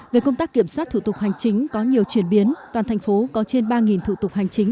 về công tác kiểm soát thủ tục hành chính có nhiều chuyển biến toàn thành phố có trên ba thủ tục hành chính